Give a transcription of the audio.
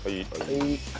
はい。